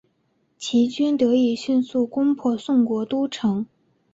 齐军得以迅速攻破宋国都城。